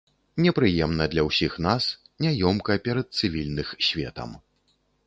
Непрыемна для ўсіх нас, няёмка перад цывільных светам.